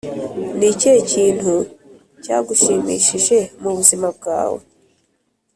ni ikihe kintu cyagushimishije mu buzima bwawe?